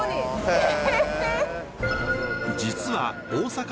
へえ。